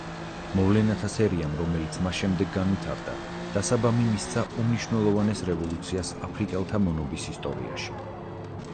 მოვლენათა სერიამ, რომელიც მას შემდეგ განვითარდა დასაბამი მისცა უმნიშვნელოვანეს რევოლუციას აფრიკელთა მონობის ისტორიაში.